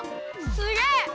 すげえ！